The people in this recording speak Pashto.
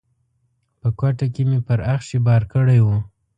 په کوټه کې مې پر اخښي بار کړی و.